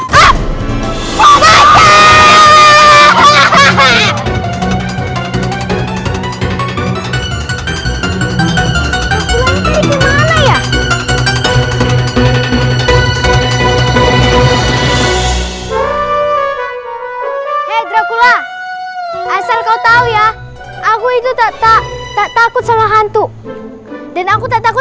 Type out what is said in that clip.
hai dracula asal kau tahu ya aku itu tak tak tak takut sama hantu dan aku tak takut